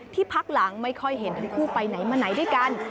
พักหลังไม่ค่อยเห็นทั้งคู่ไปไหนมาไหนด้วยกัน